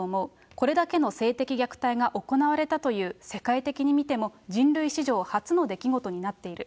これだけの性的虐待が行われたという、世界的に見ても人類史上初の出来事になっている。